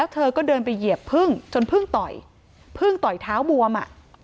เธอก็เดินไปเหยียบพึ่งจนเพิ่งต่อยเพิ่งต่อยเท้าบวมอ่ะ